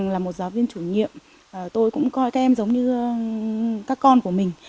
là một giáo viên chủ nhiệm tôi cũng coi các em giống như các con của mình